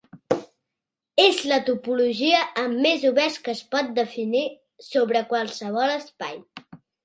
És la topologia amb més oberts que es pot definir sobre qualsevol espai.